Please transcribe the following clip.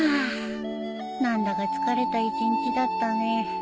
何だか疲れた一日だったね。